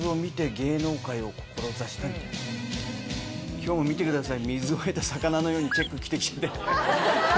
今日見てください。